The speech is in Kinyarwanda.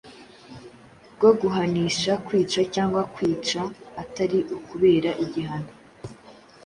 bwo guhanisha kwica cyangwa kwica atari ukubera igihano.